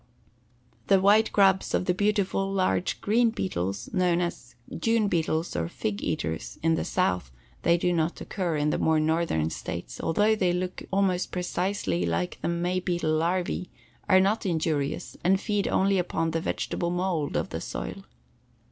The white grubs of the beautiful large green beetles, known as June beetles, or fig eaters, in the South (they do not occur in the more northern states), although they look almost precisely like the May beetle larvæ, are not injurious and feed only upon the vegetable mold of the soil.